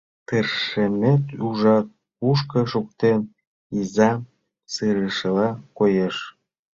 — Тыршымет, ужат, кушко шуктен, — изам сырышыла коеш.